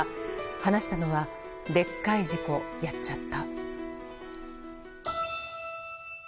話したのはでっかい事故やっちゃった。